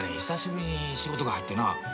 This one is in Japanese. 久しぶりに仕事が入ってな。